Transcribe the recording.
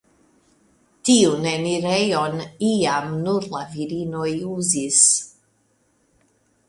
Tiun enirejon iam nur la virinoj uzis.